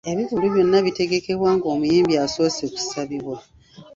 Ebivvulu byonna bitegekebwa ng’omuyimbi asoose kusabibwa.